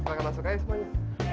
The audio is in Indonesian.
silahkan masuk ayo semuanya